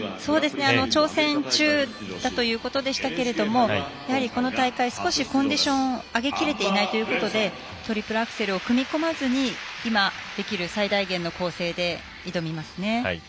挑戦中だということでしたけどやはりこの大会少しコンディションを上げきれていないということでトリプルアクセルを組み込まずに今、できる最大限の構成で挑みますね。